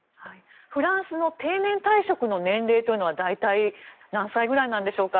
フランスの定年退職の年齢というのは大体何歳ぐらいなんでしょうか。